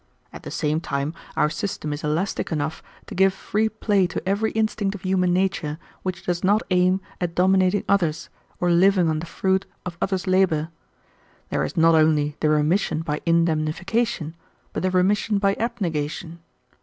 At the same time our system is elastic enough to give free play to every instinct of human nature which does not aim at dominating others or living on the fruit of others' labor. There is not only the remission by indemnification but the remission by abnegation.